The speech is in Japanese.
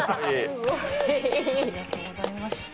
すごい。ありがとうございました。